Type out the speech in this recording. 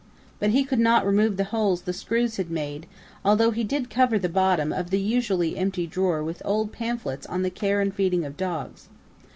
But he could not remove the holes the screws had made, although he did cover the bottom of the usually empty drawer with old pamphlets on the care and feeding of dogs....